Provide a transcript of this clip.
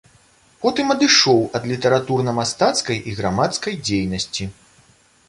Потым адышоў ад літаратурна-мастацкай і грамадскай дзейнасці.